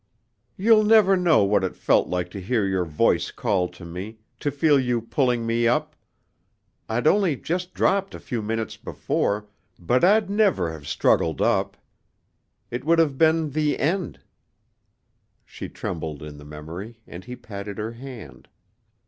"You'll never know what it felt like to hear your voice call to me, to feel you pulling me up. I'd only just dropped a few minutes before, but I'd never have struggled up. It would have been the end." She trembled in the memory, and he patted her hand.